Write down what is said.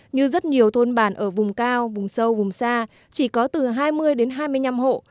như rất nhiều thôn bản ở vùng cao vùng sâu vùng xa chỉ có từ hai mươi đến hai mươi năm hộ